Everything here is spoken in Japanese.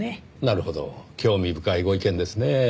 なるほど興味深いご意見ですねぇ。